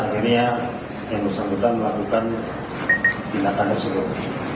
akhirnya yang bersangkutan melakukan tindakan tersebut